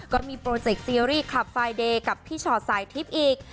ก็มีโปรเจคซีรีส์ขับไฟล์เดย์กับพี่ชอตสายทิพย์อีก